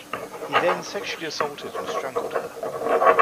He then sexually assaulted and strangled her.